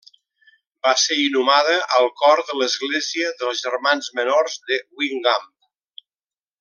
Va ser inhumada al cor de l'església dels germans Menors de Guingamp.